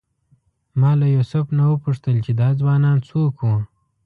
ما له یوسف نه وپوښتل چې دا ځوانان څوک وو.